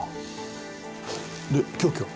で凶器は？